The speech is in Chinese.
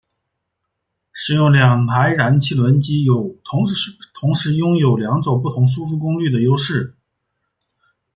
使用两台燃气轮机有同时拥有两种不同输出功率的优势。